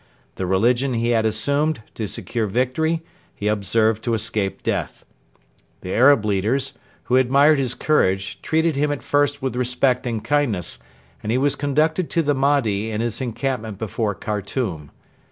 The religion he had assumed to secure victory he observed to escape death. The Arab leaders, who admired his courage, treated him at first with respect and kindness, and he was conducted to the Mahdi in his encampment before Khartoum.